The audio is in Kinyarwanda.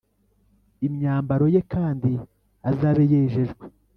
Imyambaro ye kandi azabe yejejwe